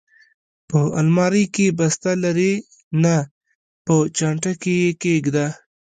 په المارۍ کې، بسته لرې؟ نه، په چانټه کې یې کېږده.